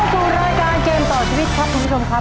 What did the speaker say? แล้วควรคุมรายการเกมต่อชีวิตครับคุณผู้ชมครับ